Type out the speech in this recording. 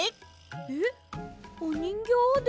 えっおにんぎょうをですか？